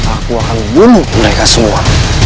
aku akan bunuh mereka semua